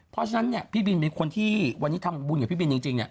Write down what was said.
เพราะฉะนั้นเนี่ยพี่บินเป็นคนที่วันนี้ทำบุญกับพี่บินจริงเนี่ย